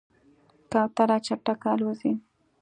کوتره چټکه الوزي.